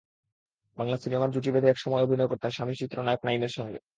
বাংলা সিনেমায় জুটি বেঁধে একসময় অভিনয় করতেন স্বামী চিত্রনায়ক নাঈমের সঙ্গে।